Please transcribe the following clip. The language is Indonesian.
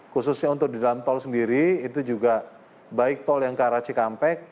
khususnya untuk di dalam tol sendiri itu juga baik tol yang ke arah cikampek